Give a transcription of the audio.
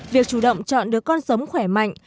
việc chủ động chọn đứa con giống khỏe mạnh